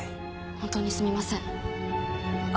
本当にすみません。